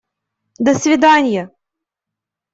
До свиданья!